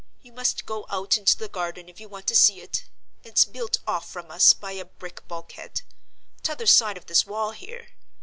You must go out into the garden if you want to see it; it's built off from us by a brick bulkhead, t'other side of this wall here.